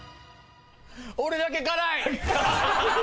俺だけ辛い！